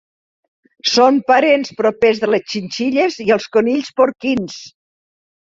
Són parents propers de les xinxilles i els conills porquins.